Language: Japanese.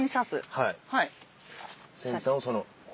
はい。